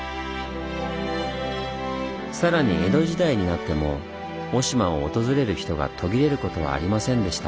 さらに江戸時代になっても雄島を訪れる人が途切れることはありませんでした。